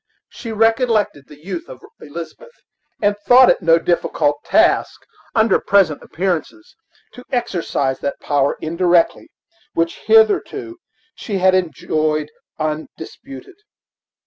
She recollected the youth of Elizabeth, and thought it no difficult task, under present appearances, to exercise that power indirectly which hitherto she had enjoyed undisputed.